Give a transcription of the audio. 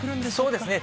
そうですね。